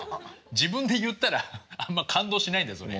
自分で言ったらあんま感動しないんだよそれ。